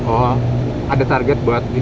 oh ada target buat